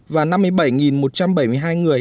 và năm mươi bảy một trăm bảy mươi hai người